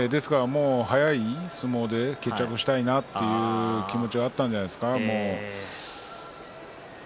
速い、いい相撲で決着したいなという気持ちはあったんじゃないですか。